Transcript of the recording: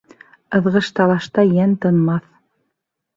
Ыҙғыш-талашта йән тынмаҫ